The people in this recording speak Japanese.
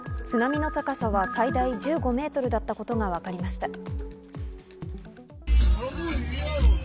津波の高さは最大１５メートルだったことがわかりました。